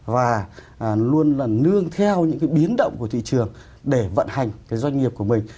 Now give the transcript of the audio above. và luôn là nương theo những cái biến động của thị trường để vận hành cái doanh nghiệp của mình